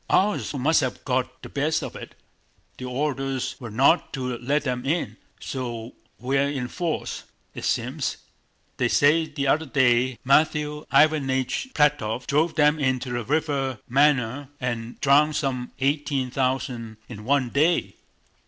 "Ours must have got the best of it. The orders were not to let them in. So we're in force, it seems.... They say the other day Matthew Iványch Plátov drove them into the river Márina and drowned some eighteen thousand in one day."